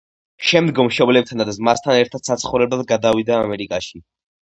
შემდგომ მშობლებთან და ძმასთან ერთად საცხოვრებლად გადავიდა ამერიკაში.